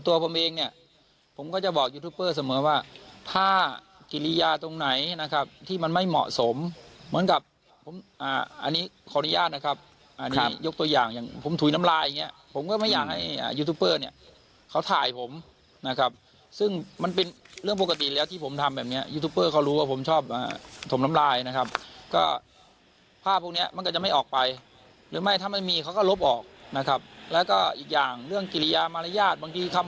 ตัวผมเองเนี่ยผมก็จะบอกยูทูปเปอร์เสมอว่าผ้ากิริยาตรงไหนนะครับที่มันไม่เหมาะสมเหมือนกับผมอ่าอันนี้ขออนุญาตนะครับอันนี้ยกตัวอย่างอย่างผมถุยน้ำลายอย่างเงี้ยผมก็ไม่อยากให้อ่ายูทูปเปอร์เนี่ยเขาถ่ายผมนะครับซึ่งมันเป็นเรื่องปกติแล้วที่ผมทำแบบเนี้ยยูทูปเปอร์เขารู้ว่าผมชอบอ่าถมน้ำลายนะครับก็